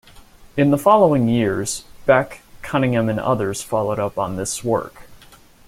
In the following years, Beck, Cunningham and others followed up on this work.